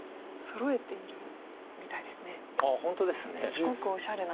すごくおしゃれな。